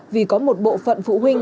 vì có một bộ phận phụ huynh